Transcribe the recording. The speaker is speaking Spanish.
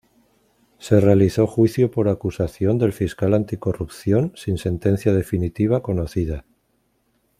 Se realizó juicio por acusación del Fiscal anticorrupción, sin sentencia definitiva conocida.